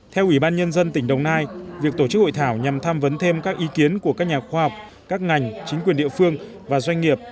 theo ubnd tỉnh đồng nai việc tổ chức hội thảo nhằm tham vấn thêm các ý kiến của các nhà khoa học các ngành chính quyền địa phương và doanh nghiệp